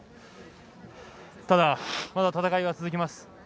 ただ、まだ戦いは続きます。